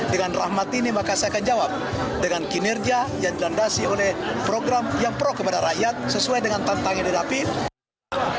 dengan rahmat ini maka saya akan jawab dengan kinerja yang dilandasi oleh program yang pro kepada rakyat sesuai dengan tantangan